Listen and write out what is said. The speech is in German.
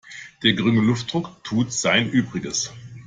Der geringe Luftdruck tut sein Übriges.